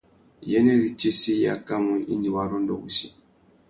Iyênêritsessi i akamú indi wa rôndô wussi.